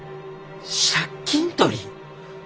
借金取り！？